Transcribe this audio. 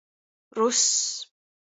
Russ.